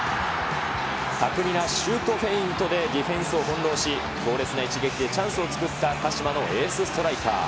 巧みなシュートフェイントでディフェンスを翻弄し、強烈な一撃でチャンスを作った鹿島のエースストライカー。